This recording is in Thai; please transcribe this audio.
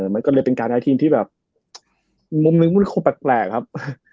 มันก็เลยเป็นการย้ายทีมที่แบบมีมุมมึงผมแบบแปลกครับ